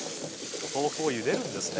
豆腐をゆでるんですね。